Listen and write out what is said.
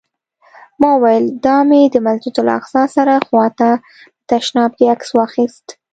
ما وویل: دا مې د مسجداالاقصی سره خوا ته په تشناب کې عکس واخیست.